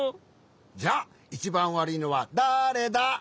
じゃあいちばんわるいのはだれだ？